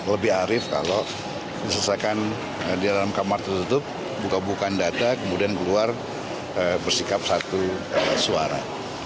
lebih arif kalau diselesaikan di dalam kamar tertutup buka bukaan data kemudian keluar bersikap satu suara